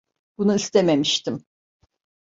Bunu istememiştim.